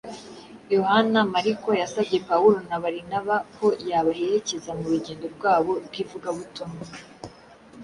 Yohana Mariko yasabye Pawulo na Barinaba ko yabaherekeza mu rugendo rwabo rw’ivugabutumwa